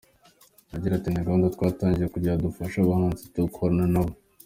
Agira ati “Ni gahunda twatangije kugira ngo dufashe abahanzi dukorana nabo.